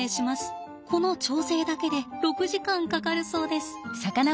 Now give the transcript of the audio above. この調整だけで６時間かかるそうです。